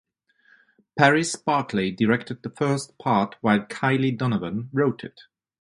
Paris Barclay directed the first part while Kiley Donovan wrote it.